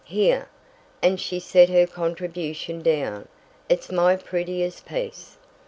Here," and she set her contribution down, "is my prettiest piece."